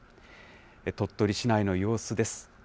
鳥取市内の様子です。